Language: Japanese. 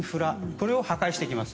これを破壊していきます。